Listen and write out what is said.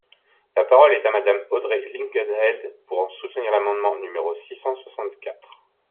La parole est à Madame Audrey Linkenheld, pour soutenir l’amendement numéro six cent soixante-quatre.